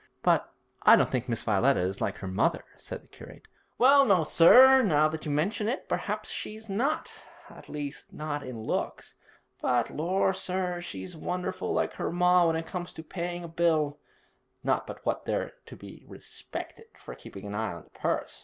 'But I don't think Miss Violetta is like her mother,' said the curate. 'Well no, sir; now that you mention it, perhaps she's not at least, not in looks. But lor' sir, she's wonderful like her ma when it comes to paying a bill, not but what they're to be respected for keeping a heye on the purse.